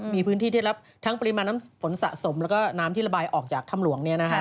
มีพื้นที่ที่ได้รับทั้งปริมาณน้ำฝนสะสมแล้วก็น้ำที่ระบายออกจากถ้ำหลวง